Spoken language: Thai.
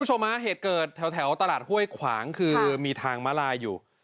คุณผู้ชมฮะเหตุเกิดแถวตลาดห้วยขวางคือมีทางมาลายอยู่